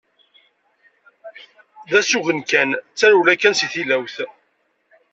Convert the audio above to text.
D asugen kan, d tarewla kan seg tillawt.